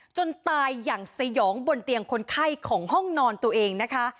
จนตายอย่างสยองบนเตียงคนไข้ของห้องนอนตัวเองนะคะ